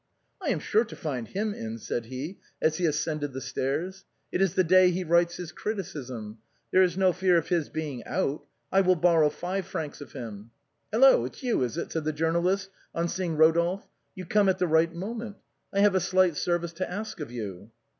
" I am sure to find him in," said he, as he ascended the stairs ;" it is the day he writes his criticism — there is no fear of his being out. I will borrow five francs of him." " Hello ! it's you, is it ?" said the journalist, on seeing Eodolphe. " You come at the right moment. I have a slight service to ask of you."